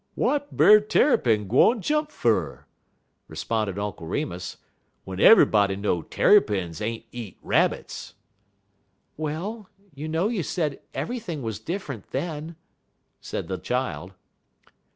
"Wat Brer Tarrypin gwine jump fer?" responded Uncle Remus, "w'en eve'ybody know Tarrypins ain't eat Rabbits." "Well, you know you said everything was different then," said the child.